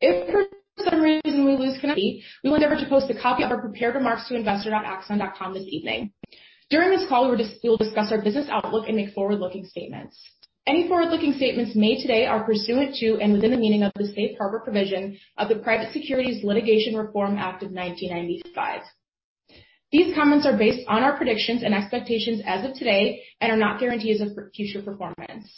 If for some reason we lose connectivity, we will remember to post a copy of our prepared remarks to investor.axon.com this evening. During this call, we will discuss our business outlook and make forward-looking statements. Any forward-looking statements made today are pursuant to and within the meaning of the safe harbor provision of the Private Securities Litigation Reform Act of 1995. These comments are based on our predictions and expectations as of today and are not guarantees of future performance.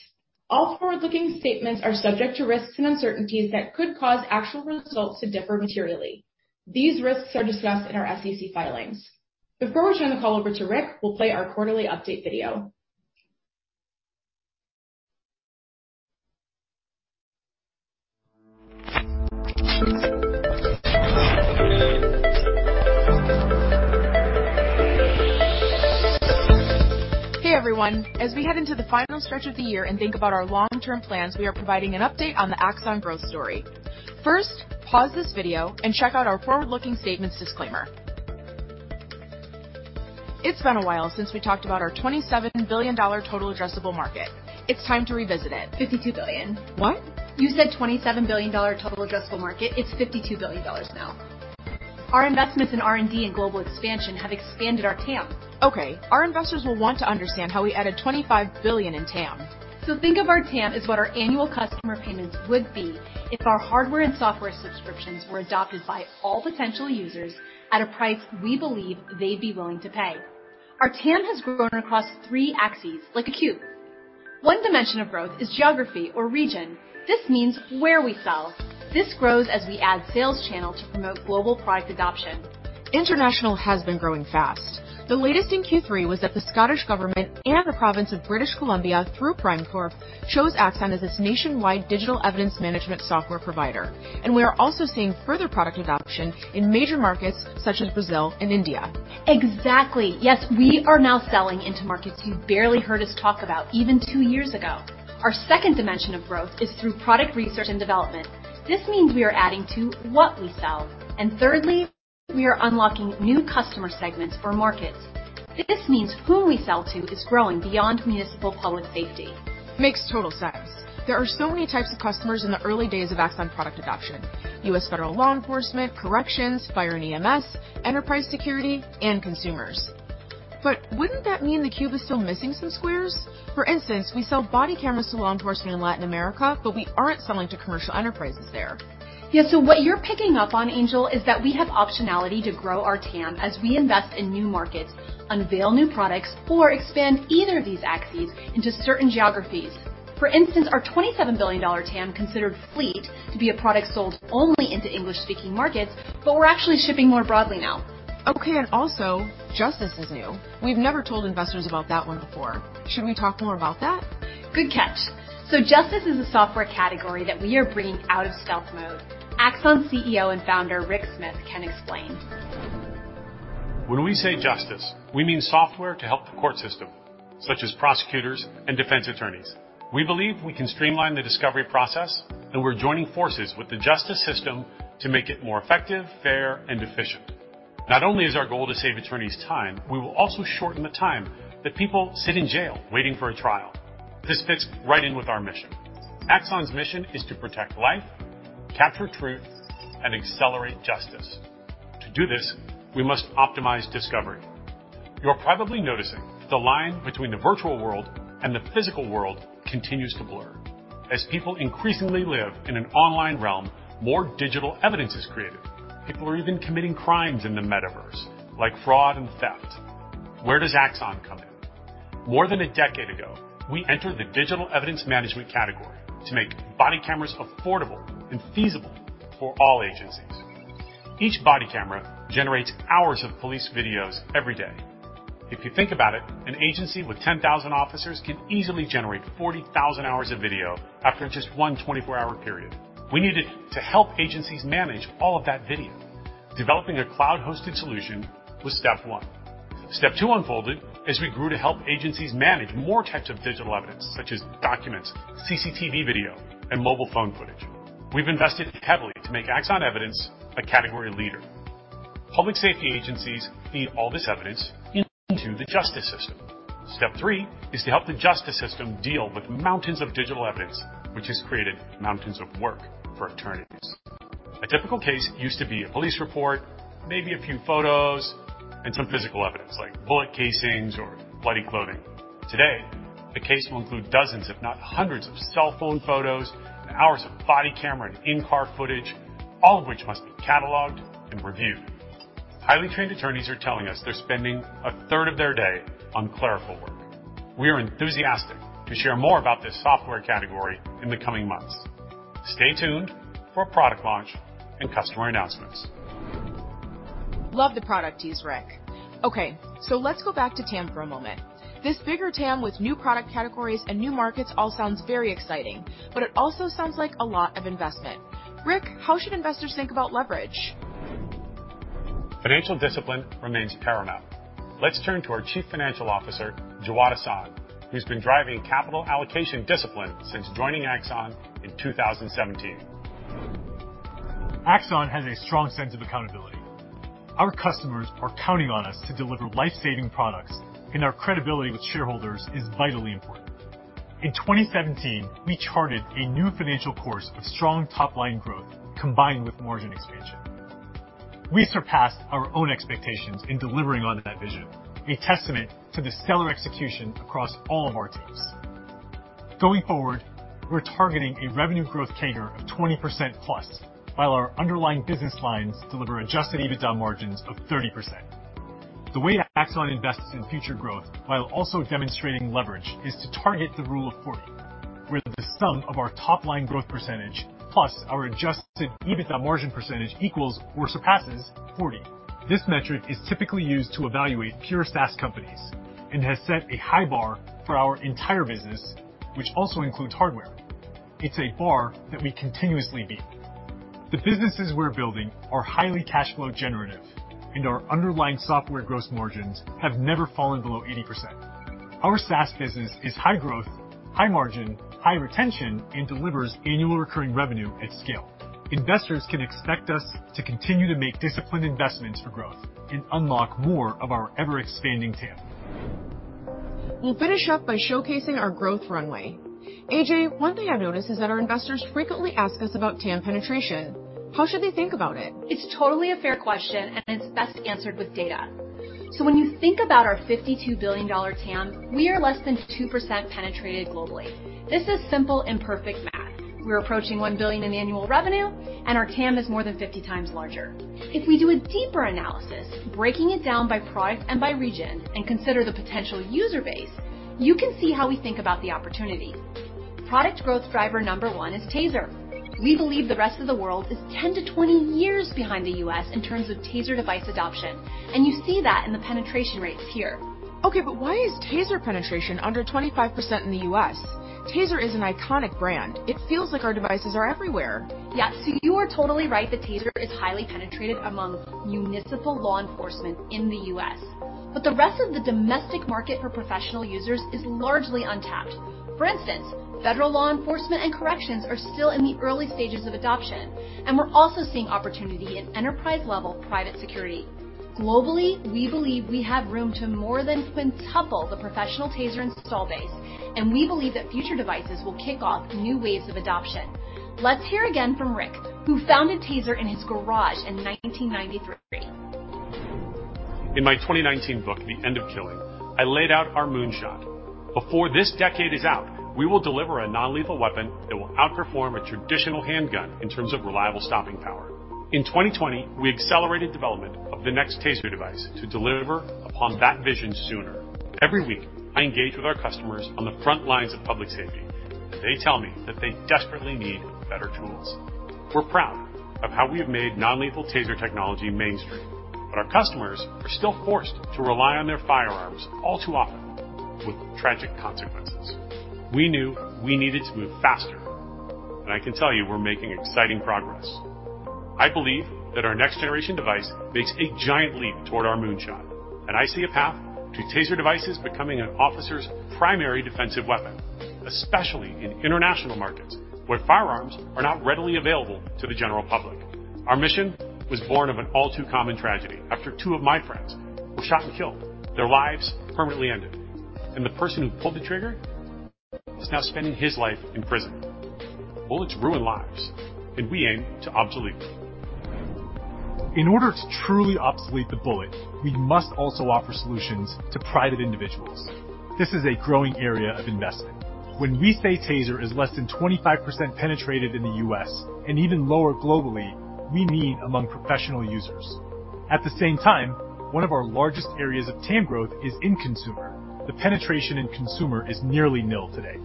All forward-looking statements are subject to risks and uncertainties that could cause actual results to differ materially. These risks are discussed in our SEC filings. Before we turn the call over to Rick, we'll play our quarterly update video. Hey, everyone. As we head into the final stretch of the year and think about our long-term plans, we are providing an update on the Axon growth story. First, pause this video and check out our forward-looking statements disclaimer. It's been a while since we talked about our $27 billion total addressable market. It's time to revisit it. $52 billion. What? You said $27 billion total addressable market. It's $52 billion now. Our investments in R&D and global expansion have expanded our TAM. Okay, our investors will want to understand how we added $25 billion in TAM. Think of our TAM as what our annual customer payments would be if our hardware and software subscriptions were adopted by all potential users at a price we believe they'd be willing to pay. Our TAM has grown across three axes like a cube. One dimension of growth is geography or region. This means where we sell. This grows as we add sales channel to promote global product adoption. International has been growing fast. The latest in Q3 was that the Scottish government and the province of British Columbia, through PRIMECorp, chose Axon as its nationwide digital evidence management software provider. We are also seeing further product adoption in major markets such as Brazil and India. Exactly. Yes, we are now selling into markets you barely heard us talk about even two years ago. Our second dimension of growth is through product research and development. This means we are adding to what we sell. Thirdly, we are unlocking new customer segments or markets. This means who we sell to is growing beyond municipal public safety. Makes total sense. There are so many types of customers in the early days of Axon product adoption. U.S. federal law enforcement, corrections, fire and EMS, enterprise security, and consumers. Wouldn't that mean the cube is still missing some squares? For instance, we sell body cameras to law enforcement in Latin America, but we aren't selling to commercial enterprises there. Yeah. What you're picking up on, Angel, is that we have optionality to grow our TAM as we invest in new markets, unveil new products, or expand either of these axes into certain geographies. For instance, our $27 billion TAM considered Fleet to be a product sold only into English-speaking markets, but we're actually shipping more broadly now. Okay, also Justice is new. We've never told investors about that one before. Should we talk more about that? Good catch. Justice is a software category that we are bringing out of stealth mode. Axon CEO and founder Rick Smith can explain. When we say Justice, we mean software to help the court system, such as prosecutors and defense attorneys. We believe we can streamline the discovery process, and we're joining forces with the justice system to make it more effective, fair, and efficient. Not only is our goal to save attorneys time, we will also shorten the time that people sit in jail waiting for a trial. This fits right in with our mission. Axon's mission is to protect life, capture truth, and accelerate justice. To do this, we must optimize discovery. You're probably noticing the line between the virtual world and the physical world continues to blur. As people increasingly live in an online realm, more digital evidence is created. People are even committing crimes in the metaverse, like fraud and theft. Where does Axon come in? More than a decade ago, we entered the digital evidence management category to make body cameras affordable and feasible for all agencies. Each body camera generates hours of police videos every day. If you think about it, an agency with 10,000 officers can easily generate 40,000 hours of video after just one 24-hour period. We needed to help agencies manage all of that video. Developing a cloud-hosted solution was step one. Step two unfolded as we grew to help agencies manage more types of digital evidence, such as documents, CCTV video, and mobile phone footage. We've invested heavily to make Axon Evidence a category leader. Public safety agencies feed all this evidence into the justice system. Step three is to help the justice system deal with mountains of digital evidence, which has created mountains of work for attorneys. A typical case used to be a police report, maybe a few photos, and some physical evidence, like bullet casings or bloody clothing. Today, the case will include dozens, if not hundreds, of cell phone photos and hours of body camera and in-car footage, all of which must be cataloged and reviewed. Highly trained attorneys are telling us they're spending a third of their day on clerical work. We are enthusiastic to share more about this software category in the coming months. Stay tuned for product launch and customer announcements. Love the product tease, Rick. Okay, let's go back to TAM for a moment. This bigger TAM with new product categories and new markets all sounds very exciting, but it also sounds like a lot of investment. Rick, how should investors think about leverage? Financial discipline remains paramount. Let's turn to our Chief Financial Officer, Jawad Ahsan, who's been driving capital allocation discipline since joining Axon in 2017. Axon has a strong sense of accountability. Our customers are counting on us to deliver life-saving products, and our credibility with shareholders is vitally important. In 2017, we charted a new financial course of strong top-line growth combined with margin expansion. We surpassed our own expectations in delivering on that vision, a testament to the stellar execution across all of our teams. Going forward, we're targeting a revenue growth CAGR of 20%+, while our underlying business lines deliver adjusted EBITDA margins of 30%. The way Axon invests in future growth while also demonstrating leverage is to target the Rule of 40, where the sum of our top-line growth percentage plus our adjusted EBITDA margin percentage equals or surpasses 40. This metric is typically used to evaluate pure SaaS companies and has set a high bar for our entire business, which also includes hardware. It's a bar that we continuously beat. The businesses we're building are highly cash flow generative, and our underlying software gross margins have never fallen below 80%. Our SaaS business is high growth, high margin, high retention, and delivers annual recurring revenue at scale. Investors can expect us to continue to make disciplined investments for growth and unlock more of our ever-expanding TAM. We'll finish up by showcasing our growth runway. AJ, one thing I've noticed is that our investors frequently ask us about TAM penetration. How should they think about it? It's totally a fair question, and it's best answered with data. When you think about our $52 billion TAM, we are less than 2% penetrated globally. This is simple and perfect math. We're approaching $1 billion in annual revenue, and our TAM is more than 50 times larger. If we do a deeper analysis, breaking it down by product and by region, and consider the potential user base, you can see how we think about the opportunity. Product growth driver number one is TASER. We believe the rest of the world is 10-20 years behind the U.S. in terms of TASER device adoption, and you see that in the penetration rates here. Okay, why is TASER penetration under 25% in the U.S.? TASER is an iconic brand. It feels like our devices are everywhere. Yeah. You are totally right that TASER is highly penetrated among municipal law enforcement in the U.S., but the rest of the domestic market for professional users is largely untapped. For instance, federal law enforcement and corrections are still in the early stages of adoption, and we're also seeing opportunity at enterprise-level private security. Globally, we believe we have room to more than quintuple the professional TASER install base, and we believe that future devices will kick off new waves of adoption. Let's hear again from Rick, who founded TASER in his garage in 1993. In my 2019 book, The End of Killing, I laid out our moonshot. Before this decade is out, we will deliver a non-lethal weapon that will outperform a traditional handgun in terms of reliable stopping power. In 2020, we accelerated development of the next TASER device to deliver upon that vision sooner. Every week, I engage with our customers on the front lines of public safety. They tell me that they desperately need better tools. We're proud of how we have made non-lethal TASER technology mainstream, but our customers are still forced to rely on their firearms all too often with tragic consequences. We knew we needed to move faster, and I can tell you we're making exciting progress. I believe that our next-generation device makes a giant leap toward our moonshot, and I see a path to TASER devices becoming an officer's primary defensive weapon, especially in international markets where firearms are not readily available to the general public. Our mission was born of an all-too-common tragedy after two of my friends were shot and killed, their lives permanently ended. The person who pulled the trigger is now spending his life in prison. Bullets ruin lives, and we aim to obsolete them. In order to truly obsolete the bullet, we must also offer solutions to private individuals. This is a growing area of investment. When we say TASER is less than 25% penetrated in the U.S., and even lower globally, we mean among professional users. At the same time, one of our largest areas of TAM growth is in consumer. The penetration in consumer is nearly nil today.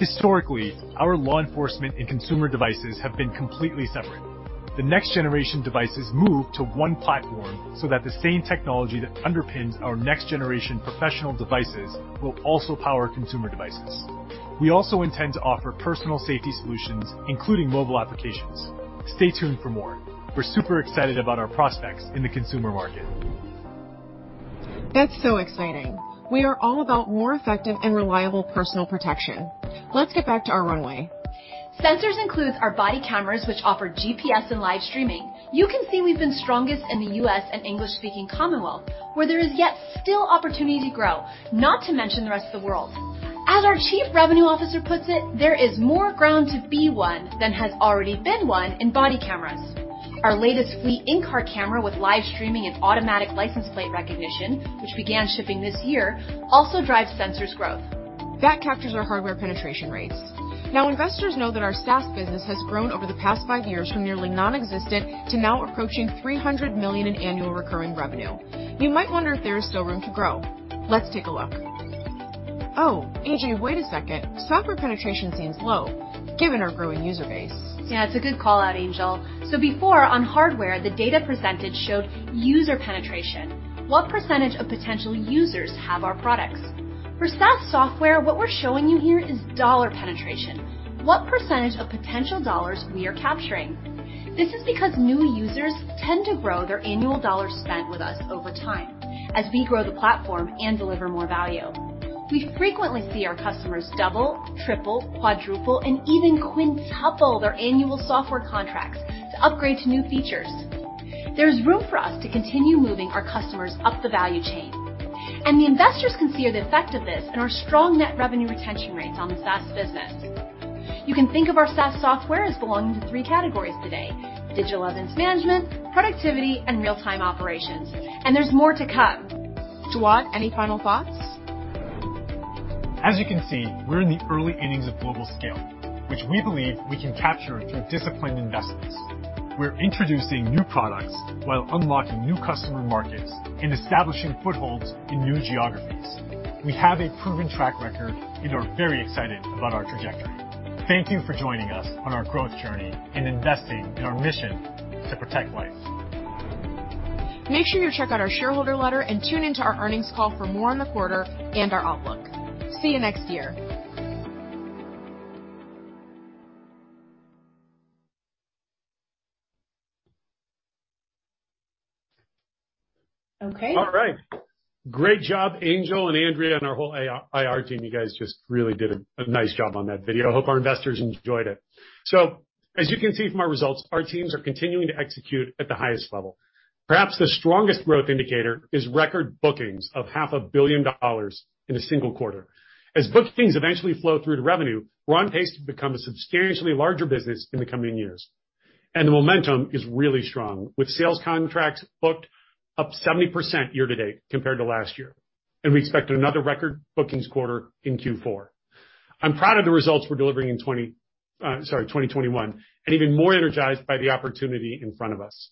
Historically, our law enforcement and consumer devices have been completely separate. The next generation devices move to one platform so that the same technology that underpins our next generation professional devices will also power consumer devices. We also intend to offer personal safety solutions, including mobile applications. Stay tuned for more. We're super excited about our prospects in the consumer market. That's so exciting. We are all about more effective and reliable personal protection. Let's get back to our runway. Sensors includes our body cameras which offer GPS and live streaming. You can see we've been strongest in the U.S. and English-speaking Commonwealth, where there is yet still opportunity to grow, not to mention the rest of the world. As our chief revenue officer puts it, there is more ground to be won than has already been won in body cameras. Our latest Fleet in-car camera with live streaming and automatic license plate recognition, which began shipping this year, also drives Sensors growth. That captures our hardware penetration rates. Now, investors know that our SaaS business has grown over the past five years from nearly nonexistent to now approaching $300 million in annual recurring revenue. You might wonder if there is still room to grow. Let's take a look. Oh, AJ, wait a second. Software penetration seems low given our growing user base. Yeah, it's a good call-out, Angel. Before on hardware, the data percentage showed user penetration. What percentage of potential users have our products? For SaaS software, what we're showing you here is dollar penetration. What percentage of potential dollars we are capturing. This is because new users tend to grow their annual dollar spent with us over time as we grow the platform and deliver more value. We frequently see our customers double, triple, quadruple, and even quintuple their annual software contracts to upgrade to new features. There's room for us to continue moving our customers up the value chain, and the investors can see the effect of this in our strong net revenue retention rates on the SaaS business. You can think of our SaaS software as belonging to three categories today. Digital evidence management, productivity, and real-time operations. There's more to come. Jawad, any final thoughts? As you can see, we're in the early innings of global scale, which we believe we can capture through disciplined investments. We're introducing new products while unlocking new customer markets and establishing footholds in new geographies. We have a proven track record and are very excited about our trajectory. Thank you for joining us on our growth journey and investing in our mission to protect life. Make sure you check out our shareholder letter and tune into our earnings call for more on the quarter and our outlook. See you next year. Okay. All right. Great job, Angel and Andrea and our whole Investor Relations team. You guys just really did a nice job on that video. Hope our investors enjoyed it. As you can see from our results, our teams are continuing to execute at the highest level. Perhaps the strongest growth indicator is record bookings of half a billion dollars in a single quarter. As bookings eventually flow through to revenue, we're on pace to become a substantially larger business in the coming years. The momentum is really strong, with sales contracts booked up 70% year to date compared to last year. We expect another record bookings quarter in Q4. I'm proud of the results we're delivering in 2021, and even more energized by the opportunity in front of us.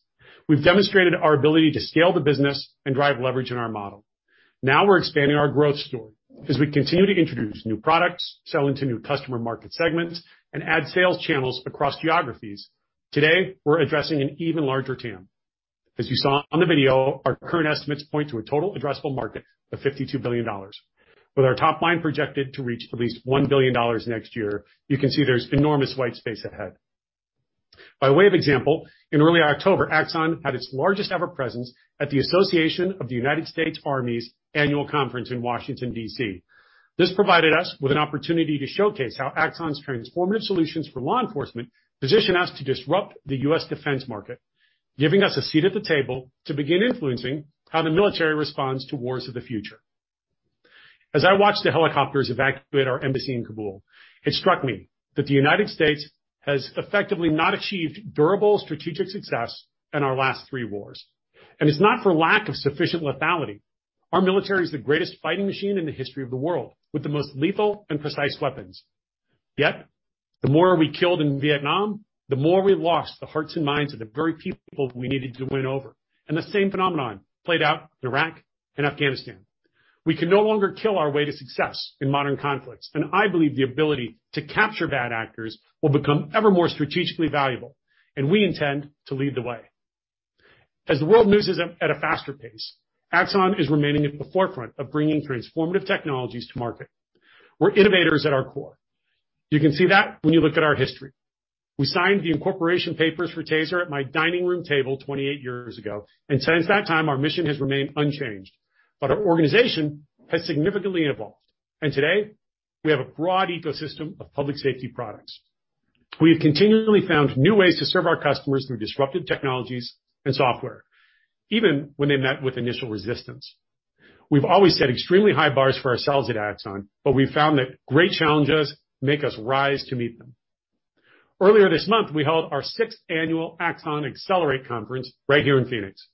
We've demonstrated our ability to scale the business and drive leverage in our model. Now we're expanding our growth story as we continue to introduce new products, sell into new customer market segments, and add sales channels across geographies. Today, we're addressing an even larger TAM. As you saw on the video, our current estimates point to a total addressable market of $52 billion. With our top line projected to reach at least $1 billion next year, you can see there's enormous white space ahead. By way of example, in early October, Axon had its largest-ever presence at the Association of the United States Army's annual conference in Washington, D.C. This provided us with an opportunity to showcase how Axon's transformative solutions for law enforcement position us to disrupt the U.S. defense market, giving us a seat at the table to begin influencing how the military responds to wars of the future. As I watched the helicopters evacuate our embassy in Kabul, it struck me that the United States has effectively not achieved durable strategic success in our last three wars. It's not for lack of sufficient lethality. Our military is the greatest fighting machine in the history of the world, with the most lethal and precise weapons. Yet, the more we killed in Vietnam, the more we lost the hearts and minds of the very people we needed to win over, and the same phenomenon played out in Iraq and Afghanistan. We can no longer kill our way to success in modern conflicts, and I believe the ability to capture bad actors will become ever more strategically valuable, and we intend to lead the way. As the world moves at a faster pace, Axon is remaining at the forefront of bringing transformative technologies to market. We're innovators at our core. You can see that when you look at our history. We signed the incorporation papers for TASER at my dining room table 28 years ago, and since that time, our mission has remained unchanged. Our organization has significantly evolved, and today, we have a broad ecosystem of public safety products. We have continually found new ways to serve our customers through disruptive technologies and software, even when they met with initial resistance. We've always set extremely high bars for ourselves at Axon, but we found that great challenges make us rise to meet them. Earlier this month, we held our sixth annual Axon Accelerate conference right here in Phoenix,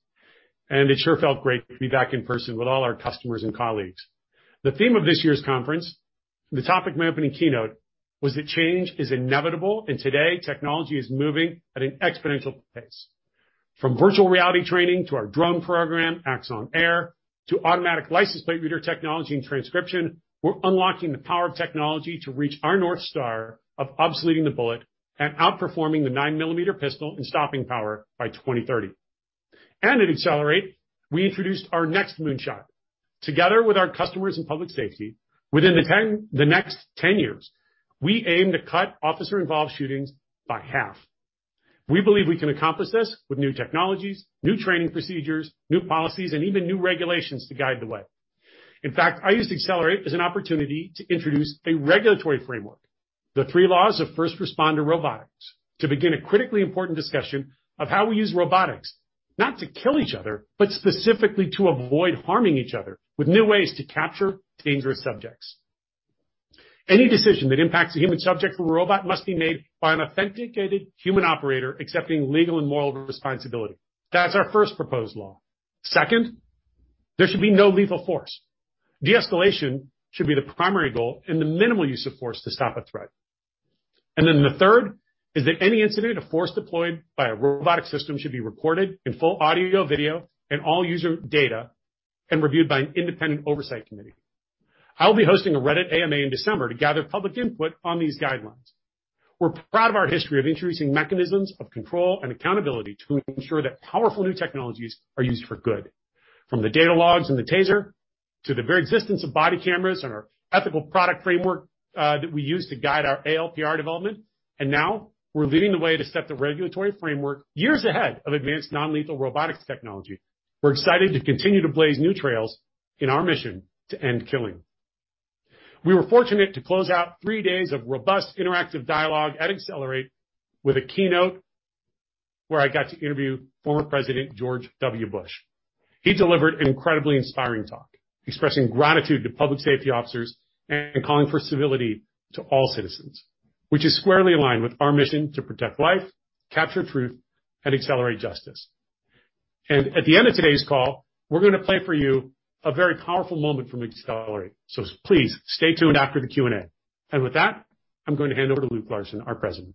and it sure felt great to be back in person with all our customers and colleagues. The theme of this year's conference, the topic of my opening keynote, was that change is inevitable, and today, technology is moving at an exponential pace. From virtual reality training to our drone program, Axon Air, to automatic license plate reader technology and transcription, we're unlocking the power of technology to reach our North Star of obsoleting the bullet and outperforming the 9-millimeter pistol in stopping power by 2030. At Accelerate, we introduced our next moonshot. Together with our customers in public safety, within the next 10 years, we aim to cut officer-involved shootings by half. We believe we can accomplish this with new technologies, new training procedures, new policies, and even new regulations to guide the way. In fact, I used Accelerate as an opportunity to introduce a regulatory framework, the Three Laws of First Responder Robotics, to begin a critically important discussion of how we use robotics, not to kill each other, but specifically to avoid harming each other with new ways to capture dangerous subjects. Any decision that impacts a human subject from a robot must be made by an authenticated human operator accepting legal and moral responsibility. That's our first proposed law. Second, there should be no lethal force. De-escalation should be the primary goal and the minimal use of force to stop a threat. The third is that any incident of force deployed by a robotic system should be recorded in full audio, video, and all user data, and reviewed by an independent oversight committee. I'll be hosting a Reddit AMA in December to gather public input on these guidelines. We're proud of our history of introducing mechanisms of control and accountability to ensure that powerful new technologies are used for good, from the data logs in the TASER to the very existence of body cameras and our ethical product framework that we use to guide our ALPR development. Now we're leading the way to set the regulatory framework years ahead of advanced non-lethal robotics technology. We're excited to continue to blaze new trails in our mission to end killing. We were fortunate to close out three days of robust interactive dialogue at Accelerate with a keynote where I got to interview former President George W. Bush. He delivered an incredibly inspiring talk, expressing gratitude to public safety officers and calling for civility to all citizens, which is squarely aligned with our mission to protect life, capture truth, and accelerate justice. At the end of today's call, we're gonna play for you a very powerful moment from Accelerate. Please, stay tuned after the Q&A. With that, I'm gonna hand over to Luke Larson, our President.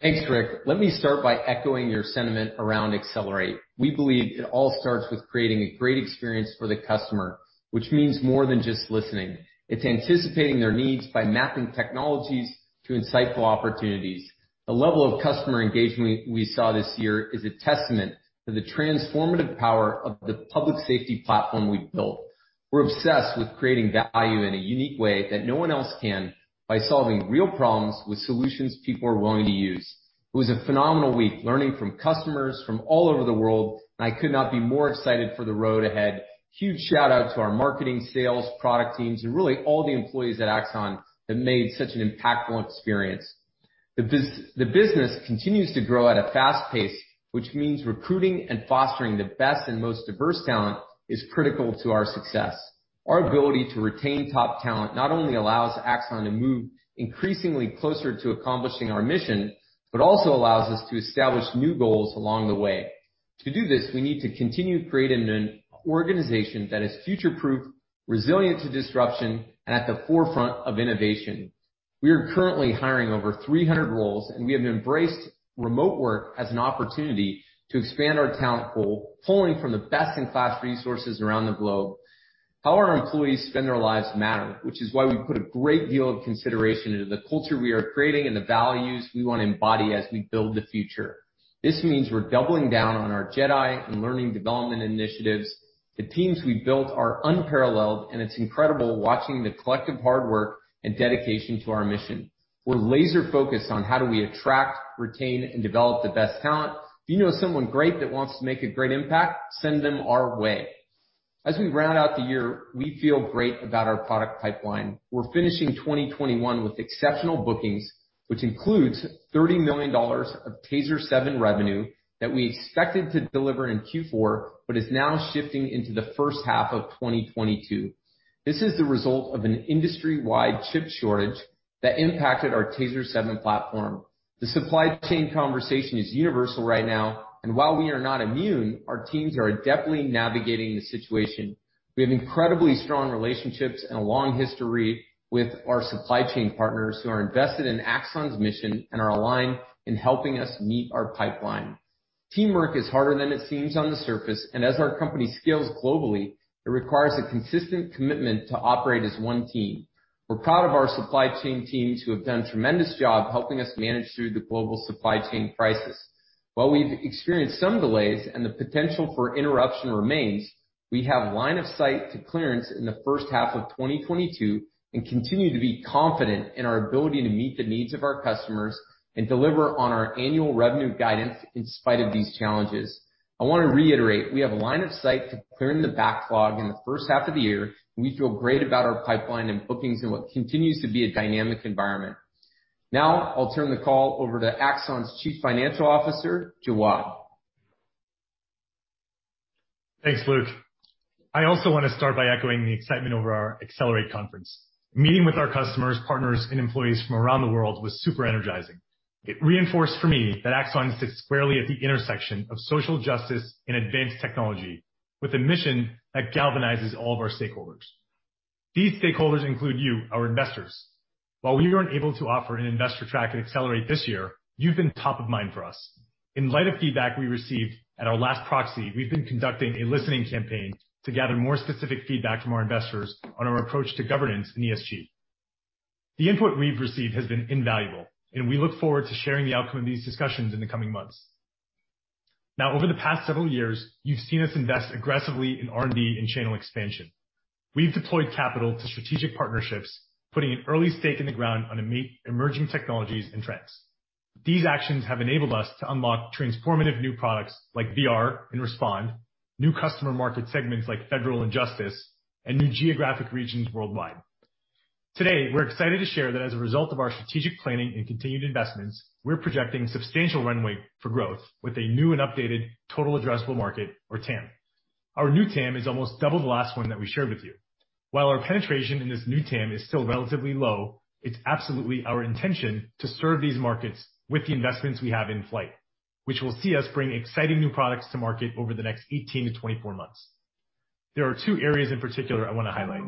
Thanks, Rick. Let me start by echoing your sentiment around Accelerate. We believe it all starts with creating a great experience for the customer, which means more than just listening. It's anticipating their needs by mapping technologies to insightful opportunities. The level of customer engagement we saw this year is a testament to the transformative power of the public safety platform we've built. We're obsessed with creating value in a unique way that no one else can by solving real problems with solutions people are willing to use. It was a phenomenal week learning from customers from all over the world, and I could not be more excited for the road ahead. Huge shout out to our marketing, sales, product teams, and really all the employees at Axon that made such an impactful experience. The business continues to grow at a fast pace, which means recruiting and fostering the best and most diverse talent is critical to our success. Our ability to retain top talent not only allows Axon to move increasingly closer to accomplishing our mission, but also allows us to establish new goals along the way. To do this, we need to continue creating an organization that is future-proof, resilient to disruption, and at the forefront of innovation. We are currently hiring over 300 roles, and we have embraced remote work as an opportunity to expand our talent pool, pulling from the best-in-class resources around the globe. How our employees spend their lives matter, which is why we put a great deal of consideration into the culture we are creating and the values we wanna embody as we build the future. This means we're doubling down on our JEDI and learning development initiatives. The teams we've built are unparalleled, and it's incredible watching the collective hard work and dedication to our mission. We're laser focused on how do we attract, retain, and develop the best talent. If you know someone great that wants to make a great impact, send them our way. As we round out the year, we feel great about our product pipeline. We're finishing 2021 with exceptional bookings, which includes $30 million of TASER 7 revenue that we expected to deliver in Q4, but is now shifting into the first half of 2022. This is the result of an industry-wide chip shortage that impacted our TASER 7 platform. The supply chain conversation is universal right now, and while we are not immune, our teams are adeptly navigating the situation. We have incredibly strong relationships and a long history with our supply chain partners who are invested in Axon's mission and are aligned in helping us meet our pipeline. Teamwork is harder than it seems on the surface, and as our company scales globally, it requires a consistent commitment to operate as one team. We're proud of our supply chain teams who have done a tremendous job helping us manage through the global supply chain crisis. While we've experienced some delays and the potential for interruption remains, we have line of sight to clearance in the first half of 2022, and continue to be confident in our ability to meet the needs of our customers and deliver on our annual revenue guidance in spite of these challenges. I wanna reiterate, we have line of sight to clearing the backlog in the first half of the year, and we feel great about our pipeline and bookings in what continues to be a dynamic environment. Now, I'll turn the call over to Axon's Chief Financial Officer, Jawad. Thanks, Luke. I also wanna start by echoing the excitement over our Accelerate conference. Meeting with our customers, partners, and employees from around the world was super energizing. It reinforced for me that Axon sits squarely at the intersection of social justice and advanced technology with a mission that galvanizes all of our stakeholders. These stakeholders include you, our investors. While we weren't able to offer an investor track at Accelerate this year, you've been top of mind for us. In light of feedback we received at our last proxy, we've been conducting a listening campaign to gather more specific feedback from our investors on our approach to governance and ESG. The input we've received has been invaluable, and we look forward to sharing the outcome of these discussions in the coming months. Now, over the past several years, you've seen us invest aggressively in R&D and channel expansion. We've deployed capital to strategic partnerships, putting an early stake in the ground on emerging technologies and trends. These actions have enabled us to unlock transformative new products like VR and Respond, new customer market segments like Federal and Justice, and new geographic regions worldwide. Today, we're excited to share that as a result of our strategic planning and continued investments, we're projecting substantial runway for growth with a new and updated total addressable market or TAM. Our new TAM is almost double the last one that we shared with you. While our penetration in this new TAM is still relatively low, it's absolutely our intention to serve these markets with the investments we have in flight, which will see us bring exciting new products to market over the next 18-24 months. There are two areas in particular I wanna highlight.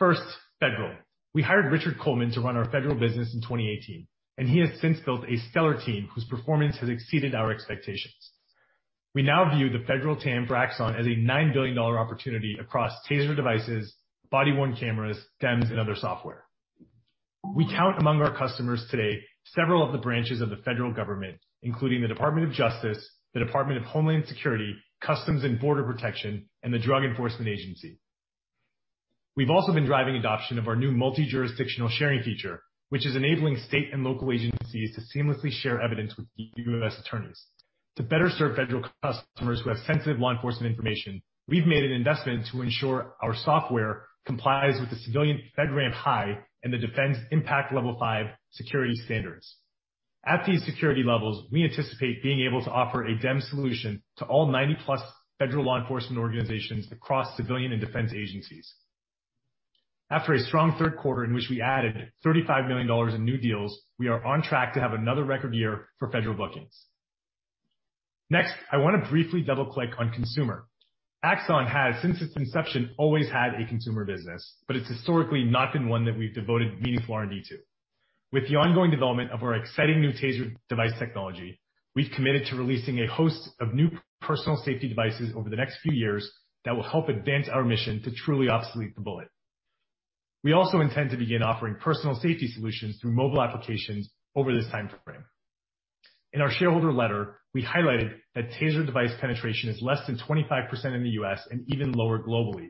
First, Federal. We hired Richard Coleman to run our federal business in 2018, and he has since built a stellar team whose performance has exceeded our expectations. We now view the federal TAM for Axon as a $9 billion opportunity across TASER devices, body-worn cameras, DEMS, and other software. We count among our customers today several of the branches of the federal government, including the Department of Justice, the Department of Homeland Security, U.S. Customs and Border Protection, and the Drug Enforcement Administration. We've also been driving adoption of our new multi-jurisdictional sharing feature, which is enabling state and local agencies to seamlessly share evidence with U.S. attorneys. To better serve federal customers who have sensitive law enforcement information, we've made an investment to ensure our software complies with the civilian FedRAMP High and the Defense Impact Level 5 security standards. At these security levels, we anticipate being able to offer a DEM solution to all 90-plus federal law enforcement organizations across civilian and defense agencies. After a strong third quarter in which we added $35 million in new deals, we are on track to have another record year for federal bookings. Next, I wanna briefly double-click on consumer. Axon has, since its inception, always had a consumer business, but it's historically not been one that we've devoted meaningful R&D to. With the ongoing development of our exciting new TASER device technology, we've committed to releasing a host of new personal safety devices over the next few years that will help advance our mission to truly obsolete the bullet. We also intend to begin offering personal safety solutions through mobile applications over this timeframe. In our shareholder letter, we highlighted that TASER device penetration is less than 25% in the U.S. and even lower globally.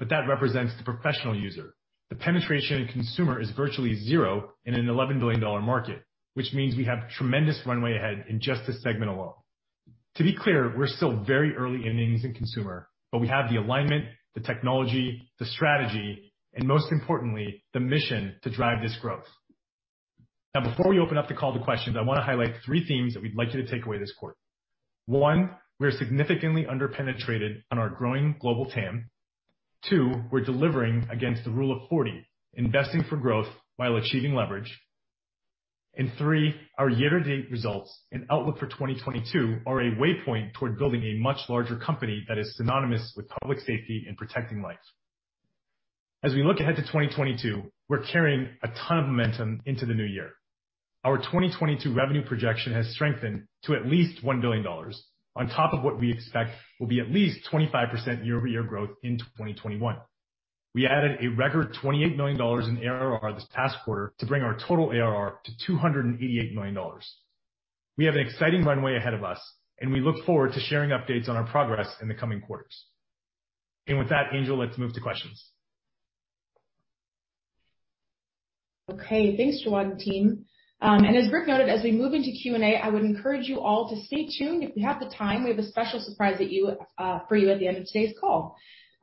That represents the professional user. The penetration in consumer is virtually zero in an $11 billion market, which means we have tremendous runway ahead in just this segment alone. To be clear, we're still very early innings in consumer, but we have the alignment, the technology, the strategy, and most importantly, the mission to drive this growth. Now, before we open up the call to questions, I wanna highlight three themes that we'd like you to take away this quarter. One, we are significantly under-penetrated on our growing global TAM. Two, we're delivering against the Rule of 40, investing for growth while achieving leverage. Three, our year-to-date results and outlook for 2022 are a way point toward building a much larger company that is synonymous with public safety and protecting life. As we look ahead to 2022, we're carrying a ton of momentum into the new year. Our 2022 revenue projection has strengthened to at least $1 billion on top of what we expect will be at least 25% year-over-year growth in 2021. We added a record $28 million in ARR this past quarter to bring our total ARR to $288 million. We have an exciting runway ahead of us, and we look forward to sharing updates on our progress in the coming quarters. With that, Angel, let's move to questions. Okay. Thanks, Jawad and team. As Rick noted, as we move into Q&A, I would encourage you all to stay tuned if you have the time. We have a special surprise for you at the end of today's call.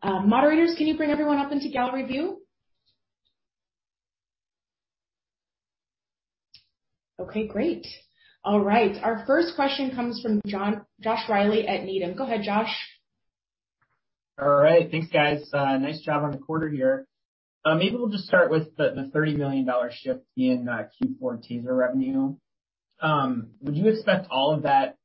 Moderators, can you bring everyone up into gallery view? Okay, great. All right. Our first question comes from Josh Reilly at Needham. Go ahead, Josh. All right. Thanks, guys. Nice job on the quarter here. Maybe we'll just start with the $30 million shift in Q4 TASER revenue. Would you expect all of that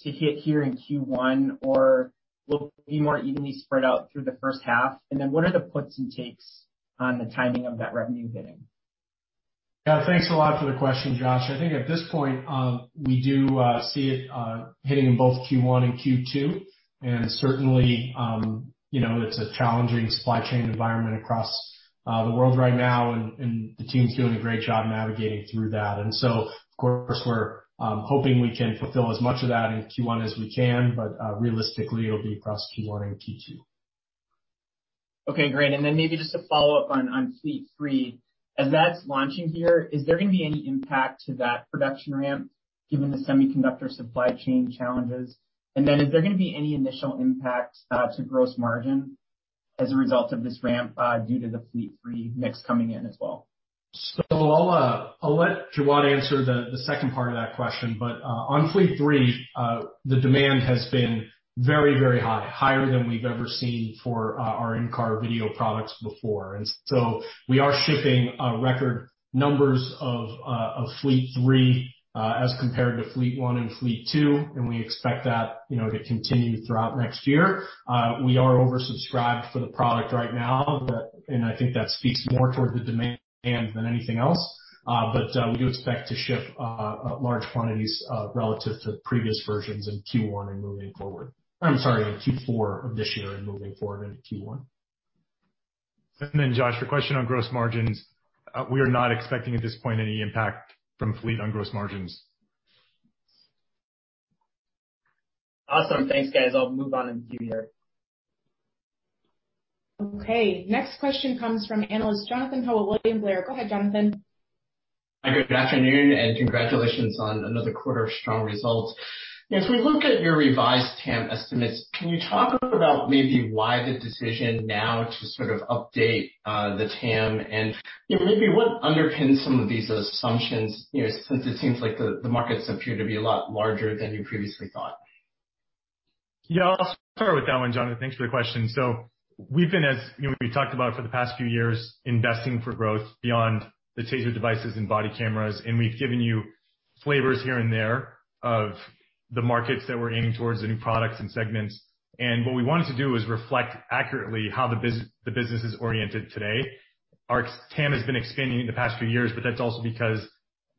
to hit here in Q1, or will it be more evenly spread out through the first half? What are the puts and takes on the timing of that revenue hitting? Yeah. Thanks a lot for the question, Josh. I think at this point, we do see it hitting in both Q1 and Q2. Certainly, you know, it's a challenging supply chain environment across the world right now, and the team's doing a great job navigating through that. Of course, we're hoping we can fulfill as much of that in Q1 as we can, but realistically, it'll be across Q1 and Q2. Okay, great. Maybe just to follow up on Fleet Three. As that's launching here, is there gonna be any impact to that production ramp given the semiconductor supply chain challenges? Is there gonna be any initial impact to gross margin as a result of this ramp due to the Fleet Three mix coming in as well? I'll let Jawad answer the second part of that question. On Fleet Three, the demand has been very, very high. Higher than we've ever seen for our in-car video products before. We are shipping record numbers of Fleet Three as compared to Fleet One and Fleet Two, and we expect that, you know, to continue throughout next year. We are oversubscribed for the product right now. That, and I think that speaks more towards the demand than anything else. We do expect to ship large quantities relative to previous versions in Q1 and moving forward. I'm sorry, in Q4 of this year and moving forward into Q1. Josh, your question on gross margins. We are not expecting at this point any impact from Fleet on gross margins. Awesome. Thanks, guys. I'll move on and queue there. Okay. Next question comes from Analyst Jonathan Ho, William Blair. Go ahead, Jonathan. Good afternoon, and congratulations on another quarter of strong results. If we look at your revised TAM estimates, can you talk about maybe why the decision now to sort of update, the TAM and, you know, maybe what underpins some of these assumptions, you know, since it seems like the markets appear to be a lot larger than you previously thought? Yeah. I'll start with that one, Jonathan. Thanks for the question. We've been, as you know, we talked about for the past few years, investing for growth beyond the TASER devices and body cameras, and we've given you flavors here and there of the markets that we're aiming towards the new products and segments. What we wanted to do is reflect accurately how the business is oriented today. Our TAM has been expanding in the past few years, but that's also because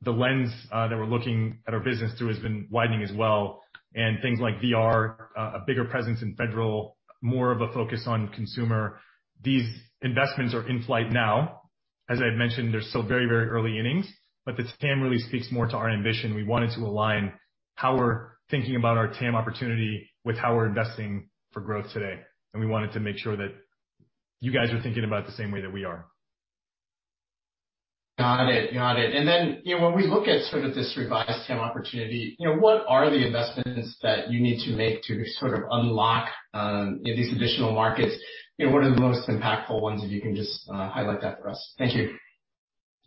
the lens that we're looking at our business through has been widening as well. Things like VR, a bigger presence in federal, more of a focus on consumer. These investments are in-flight now. As I've mentioned, they're still very, very early innings, but the TAM really speaks more to our ambition. We wanted to align how we're thinking about our TAM opportunity with how we're investing for growth today. We wanted to make sure that you guys are thinking about it the same way that we are. Got it. Then, you know, when we look at sort of this revised TAM opportunity, you know, what are the investments that you need to make to sort of unlock these additional markets? You know, what are the most impactful ones, if you can just highlight that for us? Thank you.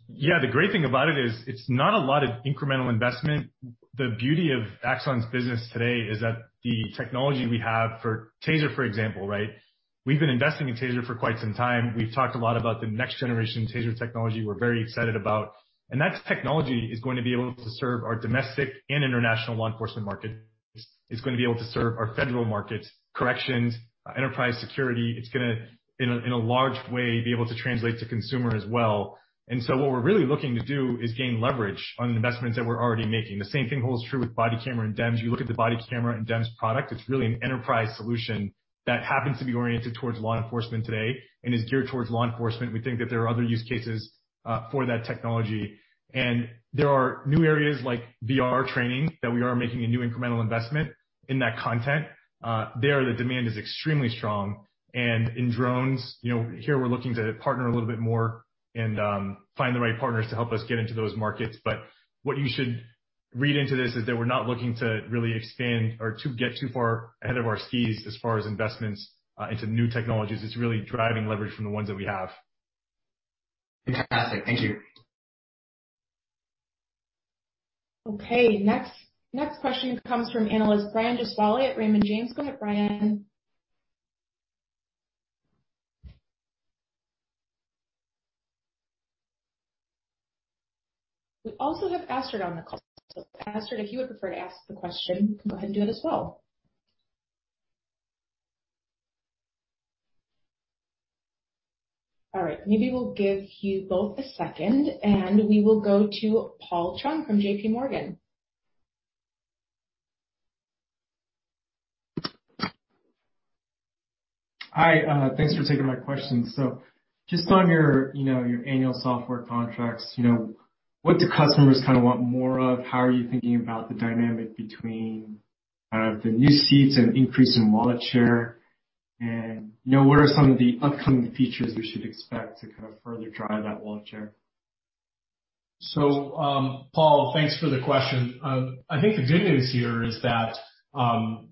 Yeah. The great thing about it is it's not a lot of incremental investment. The beauty of Axon's business today is that the technology we have for TASER, for example, right? We've been investing in TASER for quite some time. We've talked a lot about the next generation TASER technology we're very excited about, and that technology is going to be able to serve our domestic and international law enforcement markets. It's going to be able to serve our federal markets, corrections, enterprise security. It's gonna in a large way be able to translate to consumer as well. What we're really looking to do is gain leverage on investments that we're already making. The same thing holds true with body camera and DEMS. You look at the body camera and DEMS product. It's really an enterprise solution that happens to be oriented towards law enforcement today and is geared towards law enforcement. We think that there are other use cases for that technology. There are new areas like VR training that we are making a new incremental investment in that content. The demand is extremely strong. In drones, you know, here we're looking to partner a little bit more and find the right partners to help us get into those markets. What you should read into this is that we're not looking to really expand or to get too far ahead of our skis as far as investments into new technologies. It's really driving leverage from the ones that we have. Fantastic. Thank you. Okay, next question comes from analyst Brian Gesuale at Raymond James. Go ahead, Brian. We also have Astrid on the call. So Astrid, if you would prefer to ask the question, you can go ahead and do it as well. All right. Maybe we'll give you both a second, and we will go to Paul Chung from JPMorgan. Hi, thanks for taking my question. Just on your, you know, your annual software contracts, you know, what do customers kind of want more of? How are you thinking about the dynamic between, the new seats and increase in wallet share? You know, what are some of the upcoming features we should expect to kind of further drive that wallet share? Paul, thanks for the question. I think the good news here is that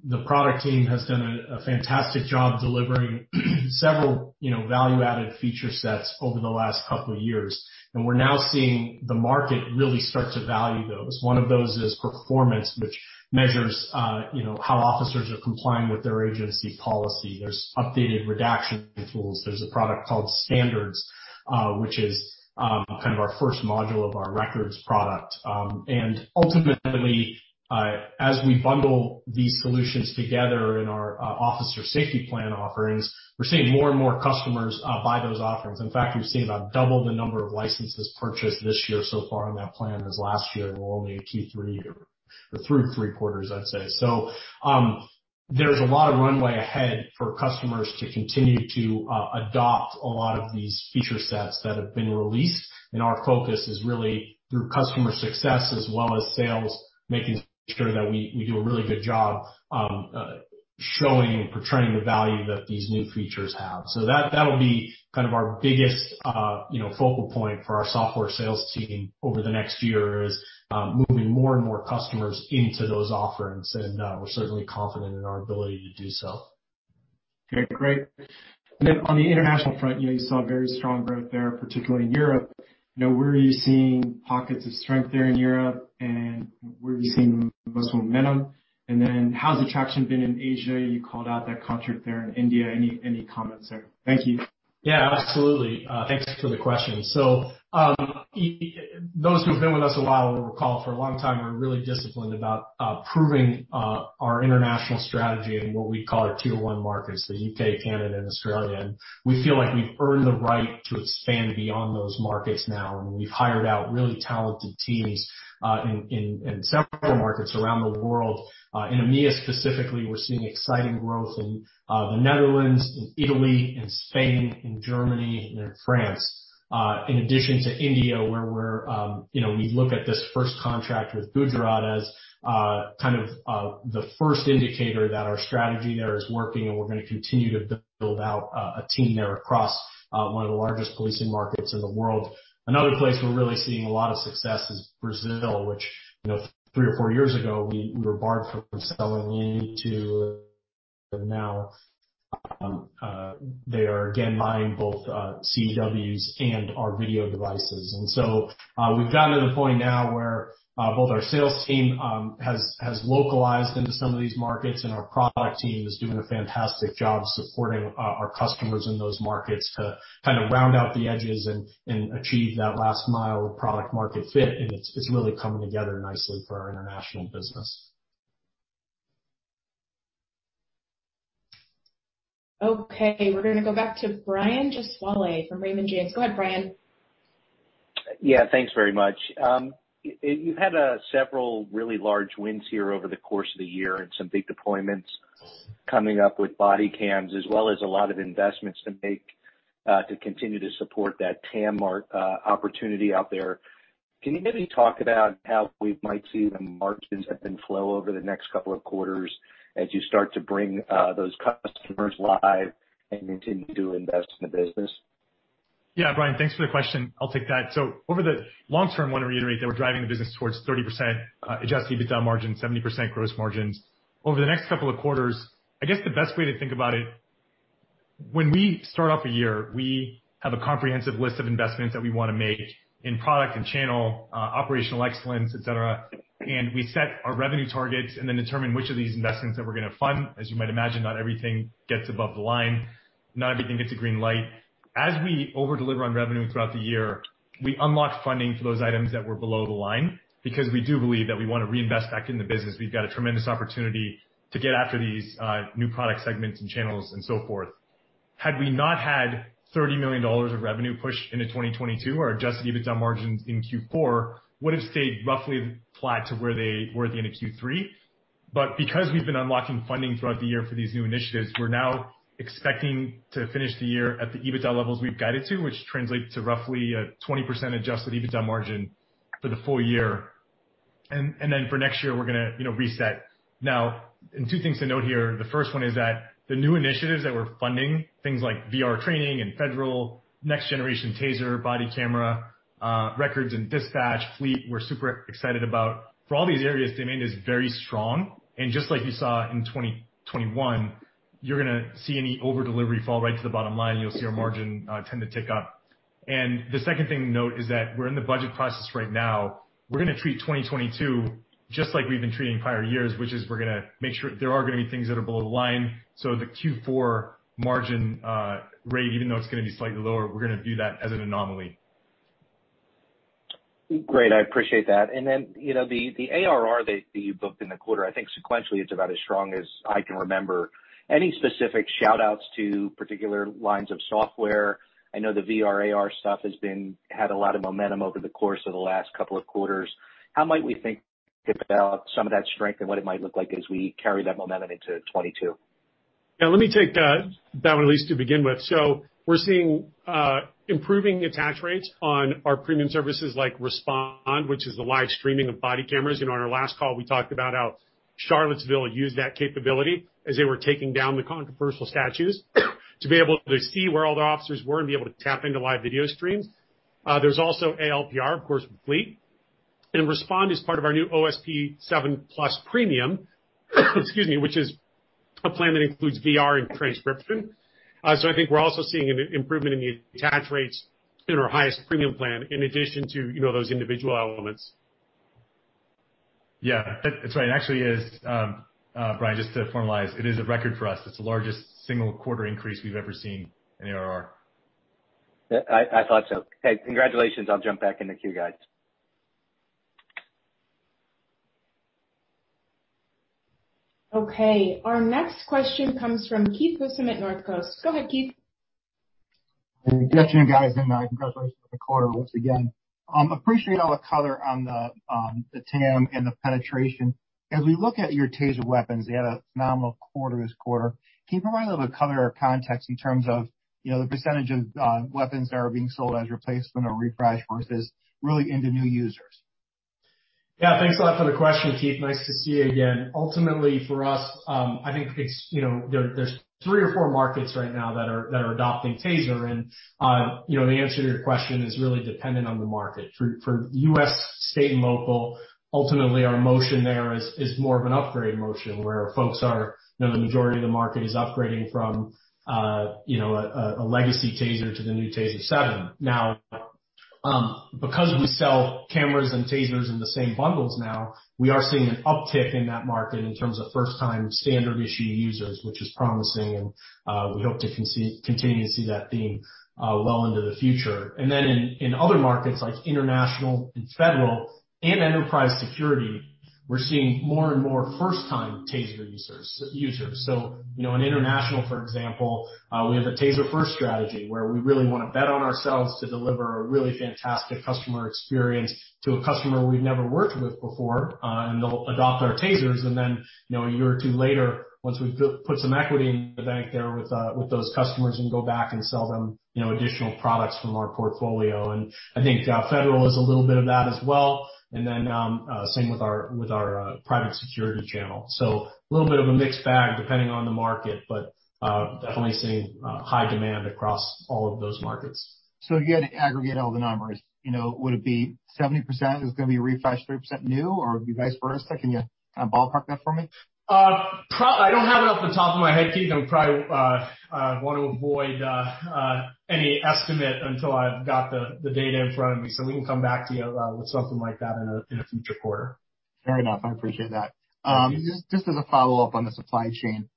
the product team has done a fantastic job delivering several, you know, value-added feature sets over the last couple of years, and we're now seeing the market really start to value those. One of those is performance, which measures you know, how officers are complying with their agency's policy. There's updated redaction tools. There's a product called Standards, which is kind of our first module of our records product. And ultimately, as we bundle these solutions together in our Officer Safety Plan offerings, we're seeing more and more customers buy those offerings. In fact, we've seen about double the number of licenses purchased this year so far on that plan as last year, and we're only in Q3 year or through three quarters, I'd say. There's a lot of runway ahead for customers to continue to adopt a lot of these feature sets that have been released, and our focus is really through customer success as well as sales, making sure that we do a really good job showing and portraying the value that these new features have. That'll be kind of our biggest you know focal point for our software sales team over the next year is moving more and more customers into those offerings. We're certainly confident in our ability to do so. Okay. Great. On the international front, you know, you saw very strong growth there, particularly in Europe. You know, where are you seeing pockets of strength there in Europe, and where are you seeing the most momentum? How's traction been in Asia? You called out that contract there in India. Any comments there? Thank you. Yeah, absolutely. Thanks for the question. Those who've been with us a while will recall for a long time we're really disciplined about proving our international strategy in what we call our tier one markets, the U.K., Canada, and Australia. We feel like we've earned the right to expand beyond those markets now, and we've hired out really talented teams in several markets around the world. In EMEA specifically, we're seeing exciting growth in the Netherlands, in Italy, in Spain, in Germany, and in France in addition to India, where we're, you know, we look at this first contract with Gujarat as kind of the first indicator that our strategy there is working, and we're gonna continue to build out a team there across one of the largest policing markets in the world. Another place we're really seeing a lot of success is Brazil, which, you know, three or four years ago, we were barred from selling into. Now, they are again buying both CEWs and our video devices. We've gotten to the point now where both our sales team has localized into some of these markets, and our product team is doing a fantastic job supporting our customers in those markets to kind of round out the edges and achieve that last mile of product market fit. It's really coming together nicely for our international business. Okay. We're gonna go back to Brian Gesuale from Raymond James. Go ahead, Brian. Yeah. Thanks very much. You've had several really large wins here over the course of the year and some big deployments coming up with body cams, as well as a lot of investments to make to continue to support that TAM opportunity out there. Can you maybe talk about how we might see the margins ebb and flow over the next couple of quarters as you start to bring those customers live and continue to invest in the business? Yeah, Brian, thanks for the question. I'll take that. Over the long term, I want to reiterate that we're driving the business towards 30% adjusted EBITDA margin, 70% gross margins. Over the next couple of quarters, I guess the best way to think about it, when we start off a year, we have a comprehensive list of investments that we want to make in product and channel, operational excellence, et cetera. We set our revenue targets and then determine which of these investments that we're going to fund. As you might imagine, not everything gets above the line. Not everything gets a green light. As we over-deliver on revenue throughout the year, we unlock funding for those items that were below the line because we do believe that we want to reinvest back in the business. We've got a tremendous opportunity to get after these, new product segments and channels and so forth. Had we not had $30 million of revenue push into 2022, our adjusted EBITDA margins in Q4 would have stayed roughly flat to where they were at the end of Q3. Because we've been unlocking funding throughout the year for these new initiatives, we're now expecting to finish the year at the EBITDA levels we've guided to, which translates to roughly a 20% adjusted EBITDA margin for the full year. Then for next year, we're gonna, you know, reset. Now, two things to note here. The first one is that the new initiatives that we're funding, things like VR training and federal, next generation TASER, body camera, records and dispatch, fleet, we're super excited about. For all these areas, demand is very strong. Just like you saw in 2021, you're gonna see any over-delivery fall right to the bottom line. You'll see our margin tend to tick up. The second thing to note is that we're in the budget process right now. We're gonna treat 2022 just like we've been treating prior years, which is we're gonna make sure there are gonna be things that are below the line. The Q4 margin rate, even though it's gonna be slightly lower, we're gonna view that as an anomaly. Great. I appreciate that. You know, the ARR that you booked in the quarter, I think sequentially it's about as strong as I can remember. Any specific shout-outs to particular lines of software? I know the VR/AR stuff had a lot of momentum over the course of the last couple of quarters. How might we think about some of that strength and what it might look like as we carry that momentum into 2022? Yeah, let me take that one at least to begin with. We're seeing improving attach rates on our premium services like Respond, which is the live streaming of body cameras. You know, on our last call, we talked about how Charlottesville used that capability as they were taking down the controversial statues to be able to see where all the officers were and be able to tap into live video streams. There's also ALPR, of course, with Fleet. Respond is part of our new OSP 7+ premium, excuse me, which is a plan that includes VR and transcription. I think we're also seeing an improvement in the attach rates in our highest premium plan in addition to, you know, those individual elements. Yeah, that's right. It actually is, Brian, just to formalize, it is a record for us. It's the largest single quarter increase we've ever seen in ARR. I thought so. Hey, congratulations. I'll jump back in the queue, guys. Okay. Our next question comes from Keith Housum at Northcoast Research. Go ahead, Keith. Good afternoon, guys, and congratulations on the quarter once again. Appreciate all the color on the TAM and the penetration. As we look at your TASER weapons, they had a phenomenal quarter this quarter. Can you provide a little bit of color or context in terms of, you know, the percentage of weapons that are being sold as replacement or refresh versus really into new users? Yeah. Thanks a lot for the question, Keith. Nice to see you again. Ultimately, for us, I think it's, you know, there's three or four markets right now that are adopting TASER. You know, the answer to your question is really dependent on the market. For U.S. state and local, ultimately, our motion there is more of an upgrade motion, where folks are, you know, the majority of the market is upgrading from, you know, a legacy TASER to the new TASER 7. Now, because we sell cameras and TASERs in the same bundles now, we are seeing an uptick in that market in terms of first-time standard issue users, which is promising. We hope to continue to see that theme, well into the future. In other markets, like international and federal and enterprise security, we're seeing more and more first-time TASER users. You know, in international, for example, we have a TASER first strategy, where we really wanna bet on ourselves to deliver a really fantastic customer experience to a customer we've never worked with before. They'll adopt our TASERs. You know, a year or two later, once we've put some equity in the bank there with those customers and go back and sell them, you know, additional products from our portfolio. I think federal is a little bit of that as well, same with our private security channel. A little bit of a mixed bag depending on the market, but definitely seeing high demand across all of those markets. If you had to aggregate all the numbers, you know, would it be 70% is gonna be a refresh, 30% new, or would it be vice versa? Can you kind of ballpark that for me? I don't have it off the top of my head, Keith. I would probably want to avoid any estimate until I've got the data in front of me. We can come back to you with something like that in a future quarter. Fair enough. I appreciate that. Thank you. Just as a follow-up on the supply chain.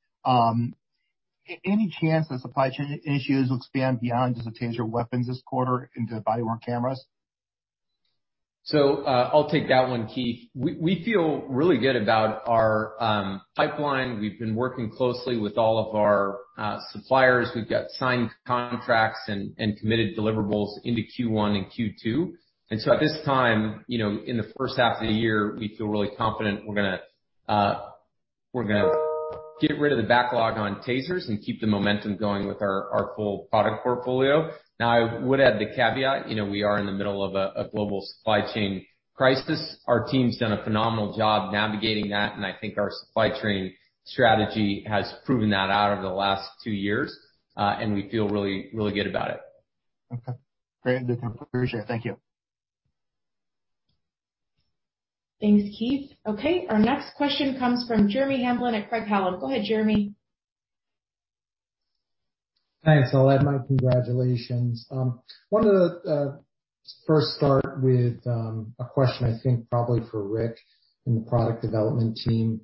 Any chance that supply chain issues expand beyond just the TASER weapons this quarter into body-worn cameras? I'll take that one, Keith. We feel really good about our pipeline. We've been working closely with all of our suppliers. We've got signed contracts and committed deliverables into Q1 and Q2. At this time, you know, in the first half of the year, we feel really confident we're gonna We're gonna get rid of the backlog on TASERs and keep the momentum going with our full product portfolio. Now, I would add the caveat, you know, we are in the middle of a global supply chain crisis. Our team's done a phenomenal job navigating that, and I think our supply chain strategy has proven that out over the last two years, and we feel really, really good about it. Okay. Great. Good. I appreciate it. Thank you. Thanks, Keith. Okay, our next question comes from Jeremy Hamblin at Craig-Hallum. Go ahead, Jeremy. Thanks. I'll add my congratulations. Wanted to first start with a question I think probably for Rick and the product development team.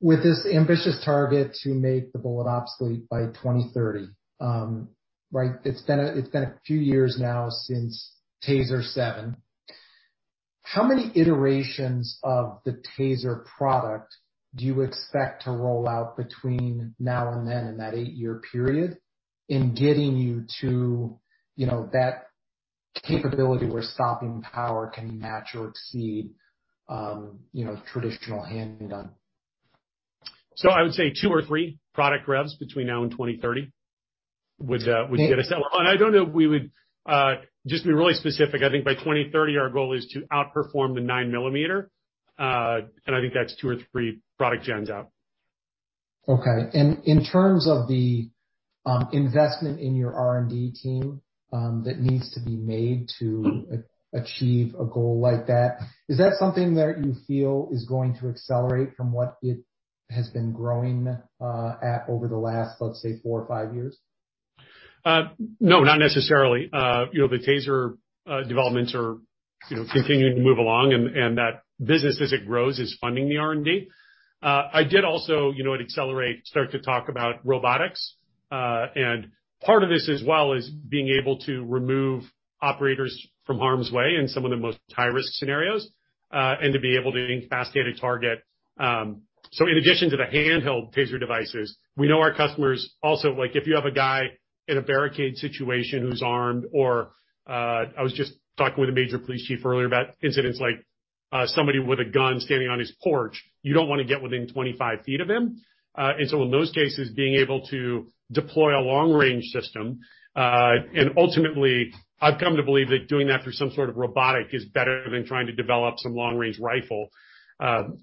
With this ambitious target to make the bullet obsolete by 2030, right? It's been a few years now since TASER 7. How many iterations of the TASER product do you expect to roll out between now and then in that 8-year period in getting you to, you know, that capability where stopping power can match or exceed, you know, traditional handgun? I would say two or three product revs between now and 2030 would get us there. Well, and I don't know if we would, just to be really specific, I think by 2030 our goal is to outperform the 9 millimeter, and I think that's two or three product gens out. Okay. In terms of the investment in your R&D team that needs to be made to achieve a goal like that, is that something that you feel is going to accelerate from what it has been growing at over the last, let's say, four or five years? No, not necessarily. You know, the TASER developments are continuing to move along, and that business as it grows is funding the R&D. I did also, you know, at Accelerate start to talk about robotics. Part of this as well is being able to remove operators from harm's way in some of the most high-risk scenarios, and to be able to incapacitate a target. In addition to the handheld TASER devices, we know our customers also like, if you have a guy in a barricade situation who's armed or, I was just talking with a major police chief earlier about incidents like, somebody with a gun standing on his porch, you don't wanna get within 25 feet of him. In those cases, being able to deploy a long-range system, and ultimately, I've come to believe that doing that through some sort of robotic is better than trying to develop some long-range rifle,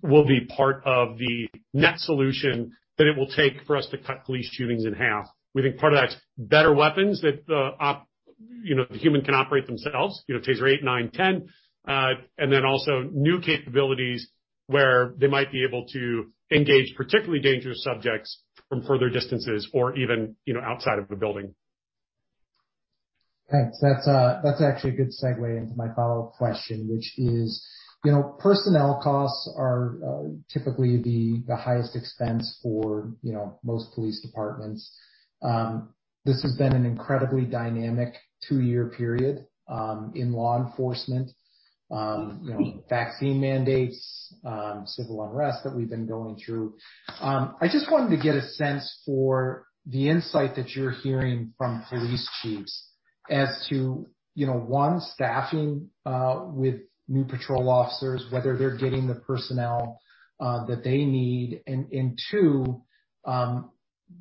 will be part of the net solution that it will take for us to cut police shootings in half. We think part of that's better weapons that you know, the human can operate themselves, you know, TASER 8, 9, 10. New capabilities where they might be able to engage particularly dangerous subjects from further distances or even, you know, outside of the building. Thanks. That's actually a good segue into my follow-up question, which is, you know, personnel costs are typically the highest expense for, you know, most police departments. This has been an incredibly dynamic two-year period in law enforcement. You know, vaccine mandates, civil unrest that we've been going through. I just wanted to get a sense for the insight that you're hearing from police chiefs as to, you know, one, staffing with new patrol officers, whether they're getting the personnel that they need. Two,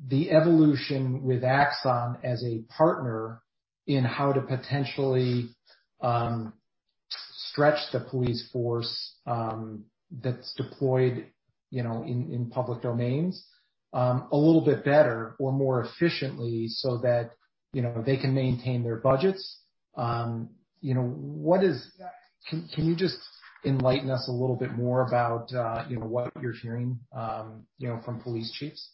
the evolution with Axon as a partner in how to potentially stretch the police force that's deployed, you know, in public domains a little bit better or more efficiently so that, you know, they can maintain their budgets. You know, can you just enlighten us a little bit more about, you know, what you're hearing, you know, from police chiefs?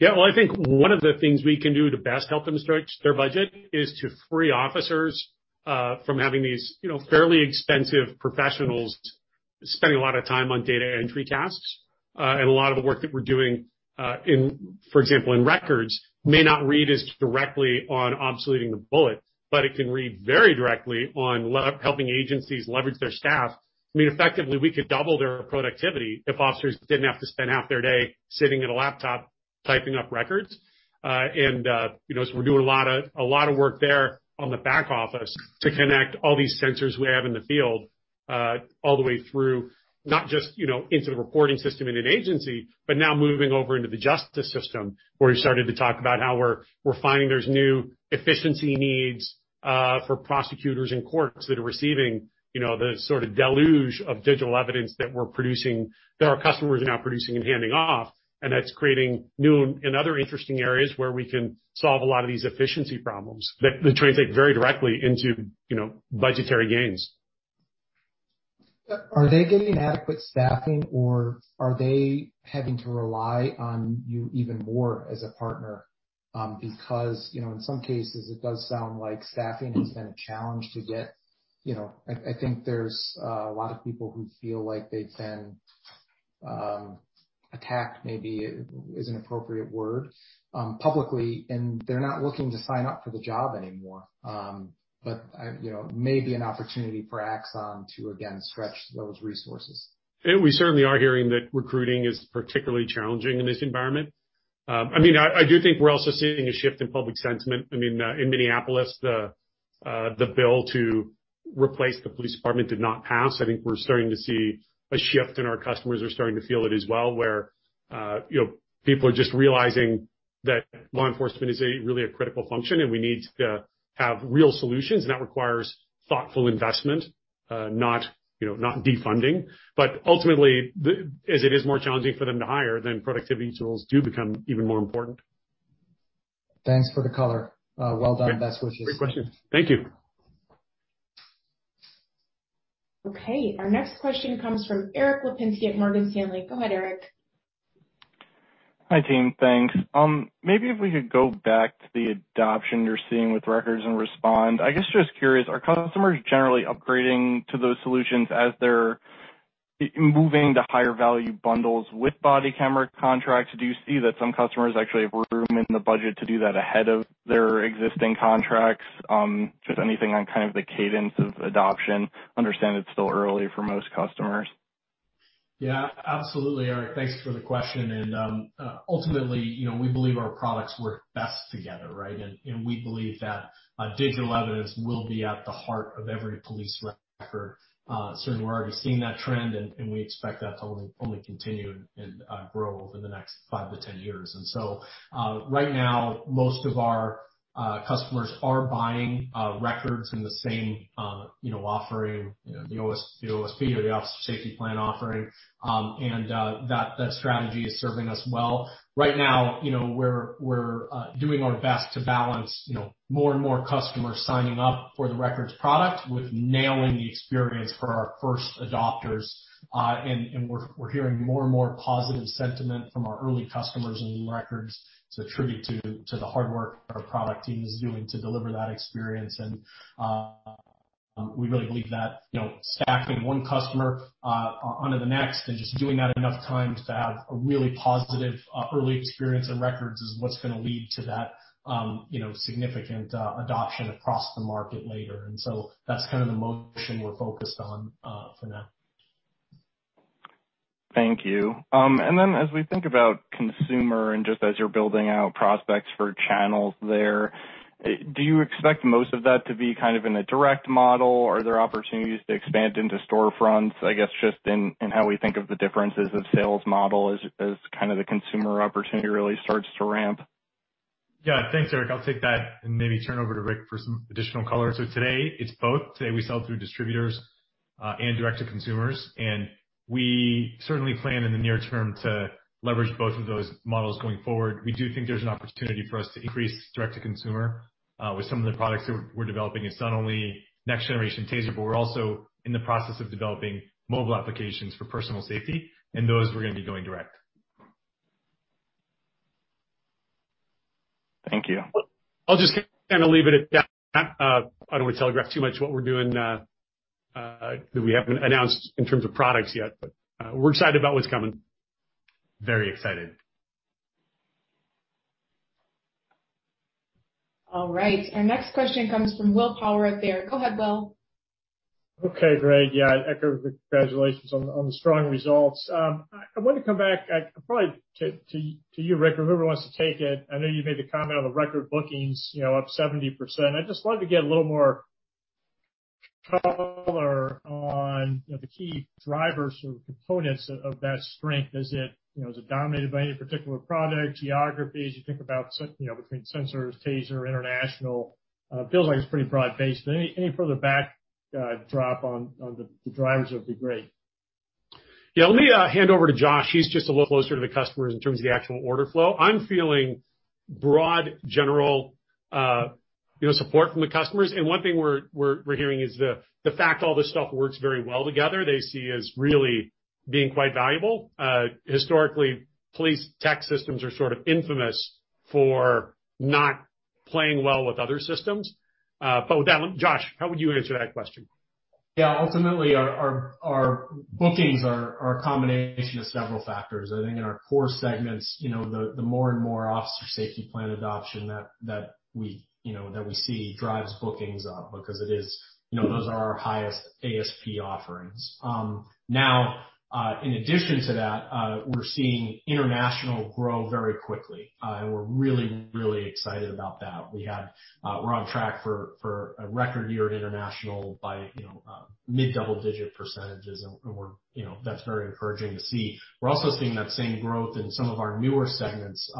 Yeah. Well, I think one of the things we can do to best help them stretch their budget is to free officers from having these, you know, fairly expensive professionals spending a lot of time on data entry tasks. A lot of the work that we're doing, in, for example, in records may not read as directly on obsoleting the bullet, but it can read very directly on helping agencies leverage their staff. I mean, effectively, we could double their productivity if officers didn't have to spend half their day sitting at a laptop typing up records. You know, we're doing a lot of work there on the back office to connect all these sensors we have in the field all the way through, not just you know, into the reporting system in an agency, but now moving over into the justice system, where we started to talk about how we're finding there's new efficiency needs for prosecutors and courts that are receiving you know, the sort of deluge of digital evidence that we're producing, that our customers are now producing and handing off. That's creating new and other interesting areas where we can solve a lot of these efficiency problems that translate very directly into you know, budgetary gains. Are they getting adequate staffing, or are they having to rely on you even more as a partner? Because, you know, in some cases it does sound like staffing has been a challenge to get. You know, I think there's a lot of people who feel like they've been attacked, maybe is an appropriate word, publicly, and they're not looking to sign up for the job anymore. You know, may be an opportunity for Axon to again stretch those resources. We certainly are hearing that recruiting is particularly challenging in this environment. I mean, I do think we're also seeing a shift in public sentiment. I mean, in Minneapolis, the bill to replace the police department did not pass. I think we're starting to see a shift, and our customers are starting to feel it as well, where you know, people are just realizing that law enforcement is really a critical function, and we need to have real solutions, and that requires thoughtful investment, not you know, not defunding. Ultimately as it is more challenging for them to hire, then productivity tools do become even more important. Thanks for the color. Well done. Best wishes. Great question. Thank you. Okay. Our next question comes from Erik Lapinski at Morgan Stanley. Go ahead, Erik. Hi, team. Thanks. Maybe if we could go back to the adoption you're seeing with Records and Respond. I guess just curious, are customers generally upgrading to those solutions as they're moving to higher value bundles with body camera contracts? Do you see that some customers actually have room in the budget to do that ahead of their existing contracts? Just anything on kind of the cadence of adoption. Understand it's still early for most customers. Yeah. Absolutely, Erik. Thanks for the question. Ultimately, you know, we believe our products work best together, right? We believe that digital evidence will be at the heart of every police record. Certainly we're already seeing that trend, and we expect that to only continue and grow over the next five to 10 years. Right now, most of our customers are buying Records in the same, you know, offering, you know, the OSP or the Officer Safety Plan offering. That strategy is serving us well. Right now, you know, we're doing our best to balance, you know, more and more customers signing up for the Records product with nailing the experience for our first adopters. We're hearing more and more positive sentiment from our early customers in Records. It's a tribute to the hard work our product team is doing to deliver that experience. We really believe that, you know, staffing one customer on to the next and just doing that enough times to have a really positive early experience in Records is what's gonna lead to that, you know, significant adoption across the market later. That's kind of the motion we're focused on for now. Thank you. As we think about consumer and just as you're building out prospects for channels there, do you expect most of that to be kind of in a direct model? Are there opportunities to expand into storefronts? I guess, just in how we think of the differences of sales model as kind of the consumer opportunity really starts to ramp. Yeah. Thanks, Eric. I'll take that and maybe turn over to Rick for some additional color. Today it's both. Today we sell through distributors, and direct to consumers, and we certainly plan in the near term to leverage both of those models going forward. We do think there's an opportunity for us to increase direct to consumer, with some of the products that we're developing. It's not only next-generation TASER, but we're also in the process of developing mobile applications for personal safety, and those we're gonna be going direct. Thank you. I'll just kinda leave it at that. I don't wanna telegraph too much what we're doing, that we haven't announced in terms of products yet, but we're excited about what's coming. Very excited. All right. Our next question comes from William Power at Baird. Go ahead, Will. Okay, great. Yeah, I echo the congratulations on the strong results. I wanted to come back, probably to you, Rick, or whoever wants to take it. I know you made the comment on the record bookings, you know, up 70%. I'd just like to get a little more color on, you know, the key drivers or components of that strength. Is it, you know, is it dominated by any particular product, geographies? You think about, you know, between Sensors, TASER, International, feels like it's pretty broad-based, but any further breakdown on the drivers would be great. Yeah. Let me hand over to Josh. He's just a little closer to the customers in terms of the actual order flow. I'm feeling broad general, you know, support from the customers. One thing we're hearing is the fact all this stuff works very well together, they see as really being quite valuable. Historically, police tech systems are sort of infamous for not playing well with other systems. With that one, Josh, how would you answer that question? Yeah. Ultimately our bookings are a combination of several factors. I think in our core segments, you know, the more and more Officer Safety Plan adoption that we, you know, that we see drives bookings up because it is, you know, those are our highest ASP offerings. Now, in addition to that, we're seeing international grow very quickly. And we're really excited about that. We're on track for a record year at international by, you know, mid-double digit percentages and we're, you know, that's very encouraging to see. We're also seeing that same growth in some of our newer segments,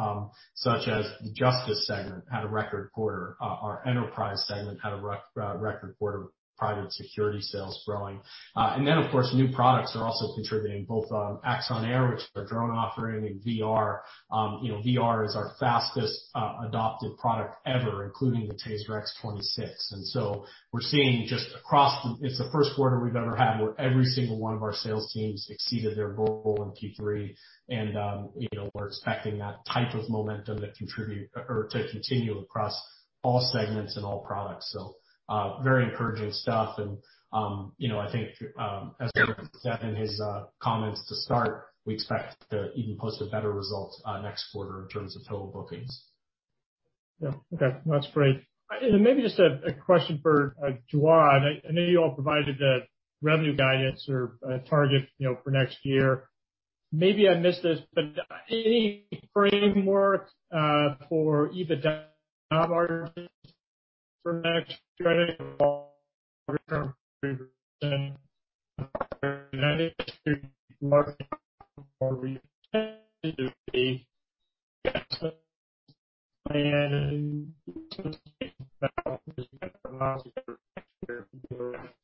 such as the Justice segment had a record quarter. Our Enterprise segment had a record quarter, private security sales growing. New products are also contributing both Axon Air, which is our drone offering, and VR. You know, VR is our fastest adopted product ever, including the TASER X26. We're seeing just across. It's the first quarter we've ever had where every single one of our sales teams exceeded their goal in Q3. You know, we're expecting that type of momentum to contribute or to continue across all segments and all products. Very encouraging stuff. You know, I think, as Rick said in his comments to start, we expect to even post a better result, next quarter in terms of total bookings. Yeah. Okay, that's great. Then maybe just a question for Jawad. I know you all provided the revenue guidance or target, you know, for next year. Maybe I missed this, but any framework for EBITDA margins for next year? Long-term 30% margin or return to the plan for next year?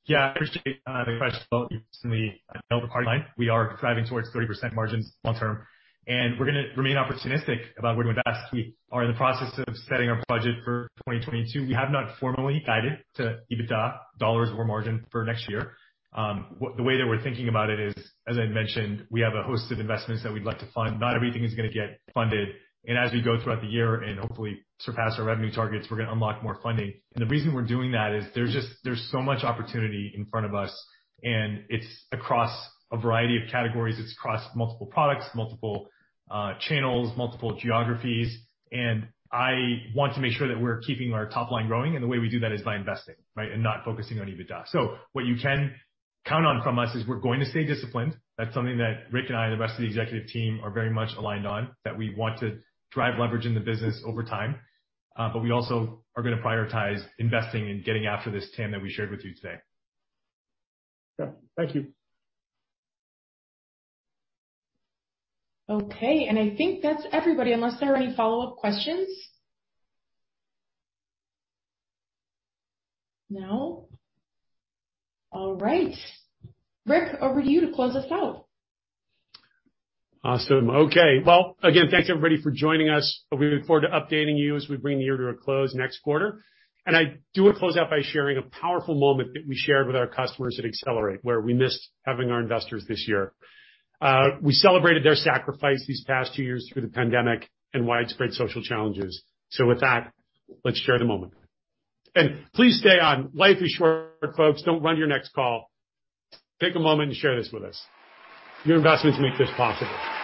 Yeah, I appreciate the question. You recently nailed the hard line. We are driving towards 30% margins long term, and we're gonna remain opportunistic about where to invest. We are in the process of setting our budget for 2022. We have not formally guided to EBITDA dollars or margin for next year. The way that we're thinking about it is, as I mentioned, we have a host of investments that we'd like to fund. Not everything is gonna get funded. As we go throughout the year and hopefully surpass our revenue targets, we're gonna unlock more funding. The reason we're doing that is there's just so much opportunity in front of us, and it's across a variety of categories. It's across multiple products, multiple channels, multiple geographies. I want to make sure that we're keeping our top line growing, and the way we do that is by investing, right, and not focusing on EBITDA. What you can count on from us is we're going to stay disciplined. That's something that Rick and I and the rest of the executive team are very much aligned on, that we want to drive leverage in the business over time. We also are gonna prioritize investing in getting after this 10 that we shared with you today. Yeah. Thank you. Okay. I think that's everybody, unless there are any follow-up questions. No? All right. Rick, over to you to close us out. Awesome. Okay. Well, again, thanks everybody for joining us. We look forward to updating you as we bring the year to a close next quarter. I do want to close out by sharing a powerful moment that we shared with our customers at Accelerate, where we missed having our investors this year. We celebrated their sacrifice these past two years through the pandemic and widespread social challenges. With that, let's share the moment. Please stay on. Life is short, folks. Don't run to your next call. Take a moment and share this with us. Your investments make this possible.